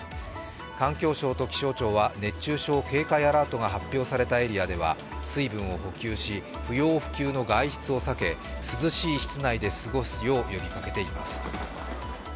環境省と気象庁は熱中症警戒アラートが発表されたエリアでは水分を補給し、不要不急の外出を避け涼しい室内で過ごすよう呼びかけています。